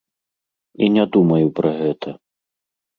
І не думаю пра гэта.